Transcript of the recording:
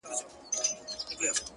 د زړو شرابو ډکي دوې پیالې دي,